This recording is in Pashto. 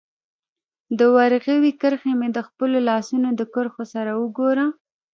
د ورغوي کرښي مي د خپلو لاسونو د کرښو سره وګوره